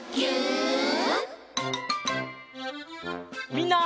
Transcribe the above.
みんな。